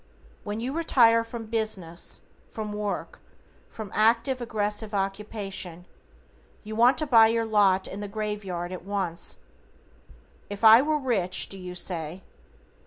When you retire from business, from work, from active aggressive occupation, you want to buy your lot in the grave yard at once. "If I were rich", do you say?